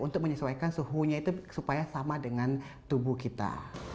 untuk menyesuaikan suhunya itu supaya sama dengan tubuh kita